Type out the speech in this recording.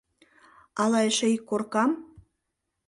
— Ала эше ик коркам?